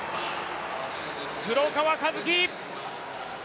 黒川和樹